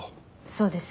そうです。